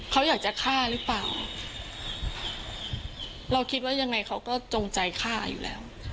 เขาอยากจะฆ่าหรือเปล่าเราคิดว่ายังไงเขาก็จงใจฆ่าอยู่แล้ว